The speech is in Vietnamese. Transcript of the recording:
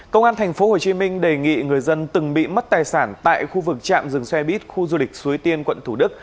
công an thành phố hồ chí minh đề nghị người dân từng bị mất tài sản tại khu vực trạm rừng xe buýt khu du lịch suối tiên quận thủ đức